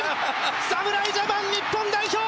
侍ジャパン日本代表